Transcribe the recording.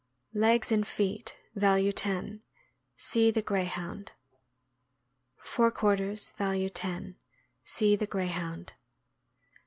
Legs and feet (value 10). — See the Greyhound. Fore quarters (value 10). — See the Greyhound.